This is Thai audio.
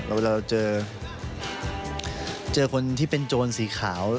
เวลาเราเจอคนที่เป็นโจรสีขาว